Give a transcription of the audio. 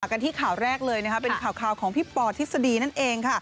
กลับมากันที่ข่าวแรกเป็นข่าวของพี่ปอร์ทฤษฎีนั่นเอง